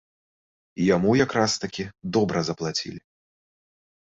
Яму якраз-такі добра заплацілі.